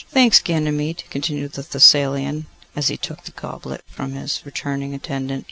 Thanks, Ganymede,' continued the Thessalian, as he took the goblet from his returning attendant.